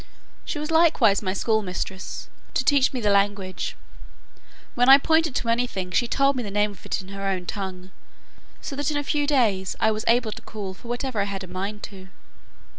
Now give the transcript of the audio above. She was likewise my school mistress, to teach me the language: when I pointed to any thing, she told me the name of it in her own tongue, so that in a few days I was able to call for whatever I had a mind to.